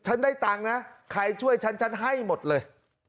ได้ตังค์นะใครช่วยฉันฉันให้หมดเลย